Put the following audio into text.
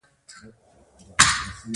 افغانستان د د افغانستان ولايتونه کوربه دی.